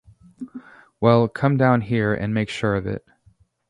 Well, come down here and make sure of it.